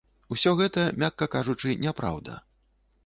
Усё гэта, мякка кажучы, няпраўда.